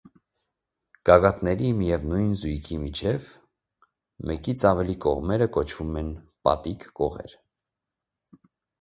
Գագաթների միևնույն զույգի միջև մեկից ավելի կողերը կոչվում են պատիկ կողեր։